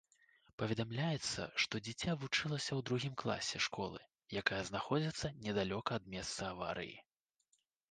Паведамляецца, што дзіця вучылася ў другім класе школы, якая знаходзіцца недалёка ад месца аварыі.